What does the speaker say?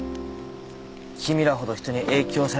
君らほど人に影響されないんでね。